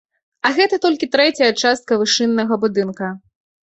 А гэта толькі трэцяя частка вышыннага будынка.